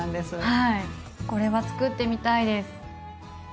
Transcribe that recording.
これはつくってみたいです。